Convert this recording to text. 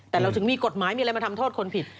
แต่เราถึงมีกฎหมายมีอะไรมาทำโทษคนผิด